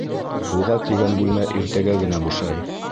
Уға тигән бүлмә иртәгә генә бушай.